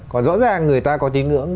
còn rõ ràng người ta có tiếng ngưỡng